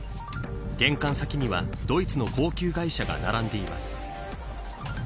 玄関先には、ドイツの高級外車が並んでいます。